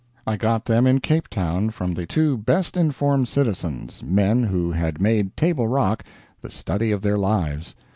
I got them in Cape Town from the two best informed citizens, men who had made Table Rock the study of their lives.